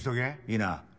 いいな？